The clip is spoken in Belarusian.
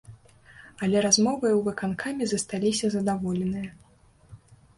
Але размовай у выканкаме засталіся задаволеныя.